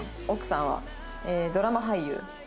奥さんはドラマ俳優。